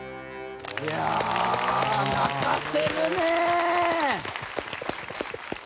いやあ泣かせるねえ。